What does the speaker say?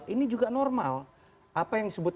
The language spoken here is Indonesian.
ini juga normal apa yang disebut